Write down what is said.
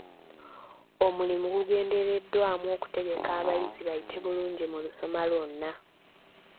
Omulimu gugendereddwamu kutegeka bayizi bayite bulungi mu lusoma lwonna.